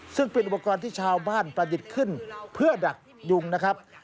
ซึ่งเป็นอุปกรณ์ที่ชาวบ้านประดิษฐ์ขึ้นเพื่อดักยุงนะครับ